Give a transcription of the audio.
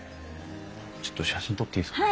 ちょっと写真撮っていいですか？